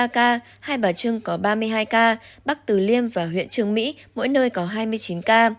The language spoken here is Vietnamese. ba ca hai bà trưng có ba mươi hai ca bắc từ liêm và huyện trường mỹ mỗi nơi có hai mươi chín ca